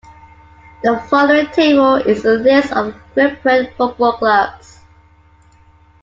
The following table is a list of Cypriot football clubs.